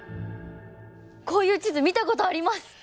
こういう地図見たことあります！